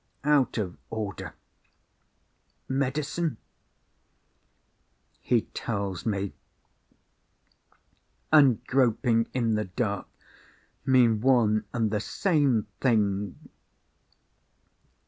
out of order ... medicine ... he tells me ... and groping in the dark mean one and the same thing